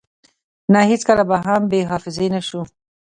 نه هیڅکله به هم بی حافظی نشو